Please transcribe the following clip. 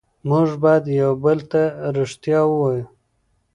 موږ باید یو بل ته ریښتیا ووایو